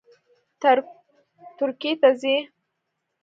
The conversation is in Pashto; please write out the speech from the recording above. ترکیې ته ځي